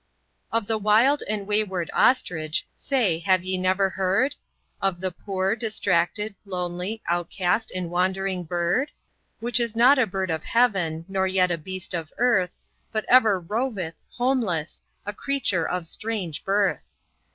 Of the wild and wayward Ostrich, say, have ye never heard? Of the poor, distracted, lonely, outcast, and wandering bird? Which is not a bird of heaven, nor yet a beast of earth, But ever roveth, homeless, a creature of strange birth.